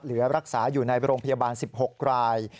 เหลือรักษาอยู่ในโรงพยาบาล๑๖ราย